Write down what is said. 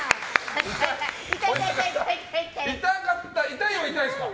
痛いのは痛いですか？